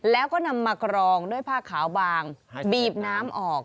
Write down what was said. แล้วก็นำมากรองด้วยผ้าขาวบางบีบน้ำออก